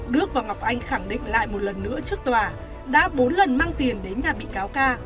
đức và ngọc anh khẳng định lại một lần nữa trước tòa đã bốn lần mang tiền đến nhà bị cáo ca